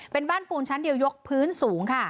เป็นบ้านปูนชั้นเดียวยกพื้นสูงค่ะ